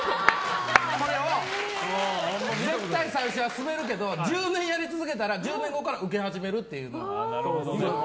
これを絶対、最初はスベるけど１０年やり続けたら１０年後からウケ始めるって。